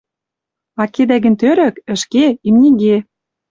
А кедӓ гӹнь тӧрӧк, — ӹшкеге, имниге